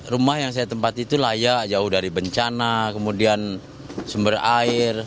rumah yang saya tempati itu layak jauh dari bencana kemudian sumber air